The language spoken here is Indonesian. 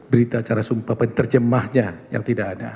berita cara sumpah penerjemahnya yang tidak ada